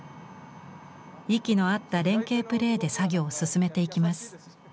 息の合った連携プレーで作業を進めていきます。